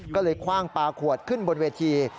ก็เลยคว่างปลาขวดขึ้นบนเวที